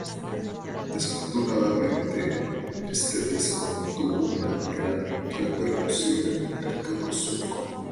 Desafortunadamente, este disco no tuvo una gran repercusión en el mercado sueco.